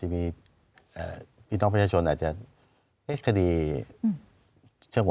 มีอะไรบ้าง